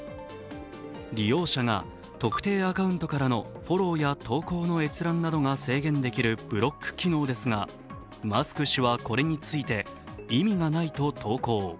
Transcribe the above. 利用者が特定アカウントからのフォローや閲覧などが制限できるブロック機能ですがマスク氏はこれについて意味がないと投稿。